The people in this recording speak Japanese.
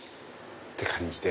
って感じで。